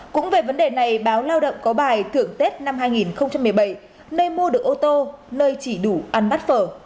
cũng về vấn đề này báo lao động có bài thưởng tết năm hai nghìn một mươi bảy nơi mua được ô tô nơi chỉ đủ ăn bắt phở